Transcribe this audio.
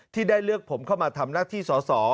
ที่ได้เลือกผมเข้ามาทำหน้าที่สอสอ